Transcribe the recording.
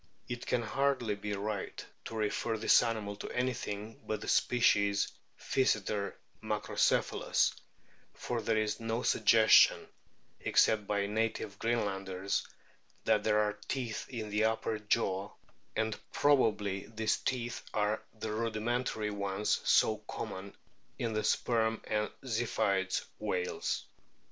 It can hardly be right to refer this animal to anything but the species Physeter macrocepkalus, for there is no suggestion, except by native Greenlanders, that there are teeth in the upper jaw, and probably these teeth are the rudimentary ones so common in the Sperm and Ziphioid whales.